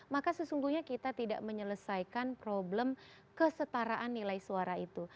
maka sesungguhnya kita tidak menyelesaikan problem kesetaraan nilai suara itu